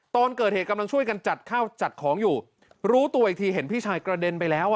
ตอนเกิดเหตุกำลังช่วยกันจัดข้าวจัดของอยู่รู้ตัวอีกทีเห็นพี่ชายกระเด็นไปแล้วอ่ะ